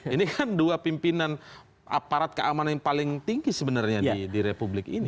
ini kan dua pimpinan aparat keamanan yang paling tinggi sebenarnya di republik ini